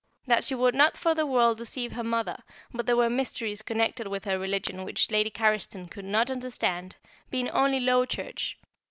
That she would not for the world deceive her mother, but there were mysteries connected with her religion which Lady Carriston could not understand, being only Low Church.